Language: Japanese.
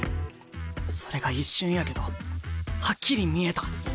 それが一瞬やけどはっきり見えた。